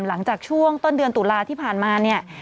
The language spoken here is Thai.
หลังจากช่วงต้นเดือนตุลาที่ผ่านมาเนี่ย